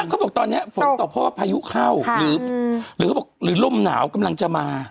เขาบอกตอนนี้ฝนตกเพราะว่าพายุเข้าหรือเขาบอกหรือลมหนาวกำลังจะมา